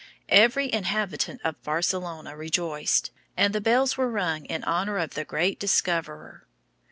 Every inhabitant of Barcelona rejoiced, and the bells were rung in honor of the great discoverer.